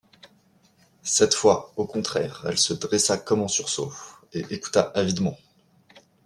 Cette fois, au contraire, elle se dressa comme en sursaut, et écouta avidement.